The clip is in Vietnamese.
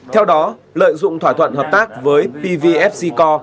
theo đó lợi dụng thỏa thuận hợp tác với pvfc